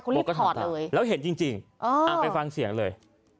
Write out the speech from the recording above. เขารีบถอดเลยแล้วเห็นจริงจริงเอ่ออ้างไปฟังเสียงเลย